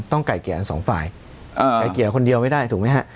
ต้องไก่เกียร์อันสองฝ่ายไก่เกียร์คนเดียวไม่ได้ถูกไหมครับ